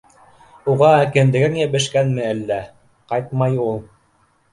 Уға кендегең йәбешкәнме әллә? Ҡайтмай ул!